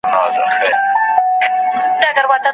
زه فکر کوم چي څېړنه د ادبیاتو مهمه څانګه ده.